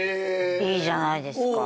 いいじゃないですか。